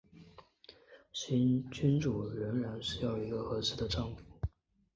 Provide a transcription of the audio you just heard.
新君主仍然需要一个合适的丈夫。